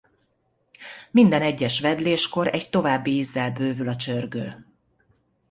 Minden egyes vedléskor egy további ízzel bővül a csörgő.